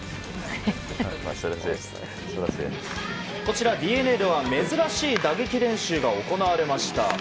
こちら、ＤｅＮＡでは珍しい打撃練習が行われました。